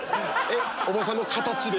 お坊さんの形で？